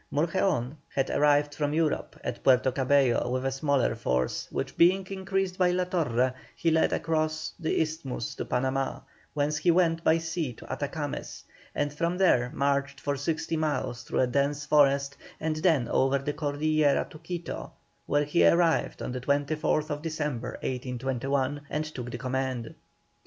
Murgeón had arrived from Europe at Puerto Cabello with a smaller force, which being increased by La Torre, he led across the Isthmus to Panamá, whence he went by sea to Atacames, and from there marched for sixty miles through a dense forest and then over the Cordillera to Quito, where he arrived on the 24th December, 1821, and took the command.